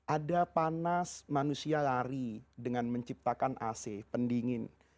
ada panas manusia lari dengan menciptakan ac pendingin